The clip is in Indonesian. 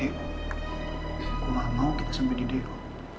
yang ada kita di deo